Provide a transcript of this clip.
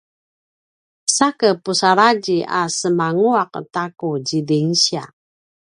sake pusaladji a semananguaq ta ku zidingsiya